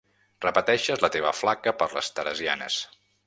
Repeteixes la teva flaca per les teresianes.